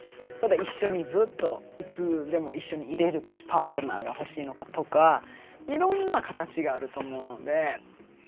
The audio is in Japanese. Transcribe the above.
ただ一緒にずっといつでも一緒にいれるパートナーが欲しいのかとかいろんな形があると思うので。